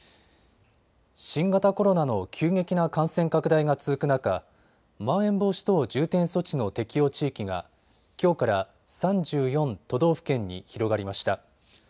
新型コロナの急激な感染拡大が続く中、まん延防止等重点措置の適用地域がきょうから３４都道府県に広がりました。